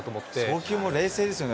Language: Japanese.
送球も冷静ですよね。